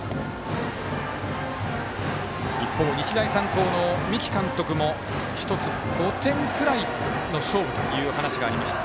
一方、日大三高の三木監督も１つ、５点ぐらいの勝負という話がありました。